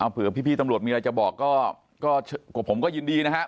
เผื่อพี่ตำรวจมีอะไรจะบอกก็ผมก็ยินดีนะครับ